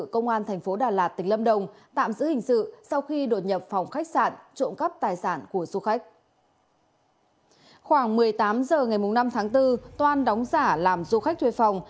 khoảng một mươi tám h ngày năm tháng bốn toan đóng giả làm du khách thuê phòng